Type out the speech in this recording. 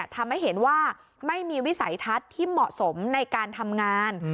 ทำให้เห็นว่าไม่มีวิสัยทัศน์ที่เหมาะสมในการทำงาน